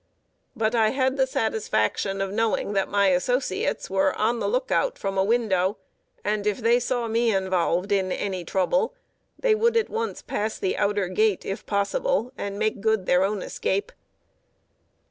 But I had the satisfaction of knowing that my associates were on the look out from a window and, if they saw me involved in any trouble, would at once pass the outer gate, if possible, and make good their own escape.